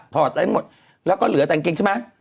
ถอดแล้วทั้งหมดแล้วก็เหลือแตงกินใช่มั้ย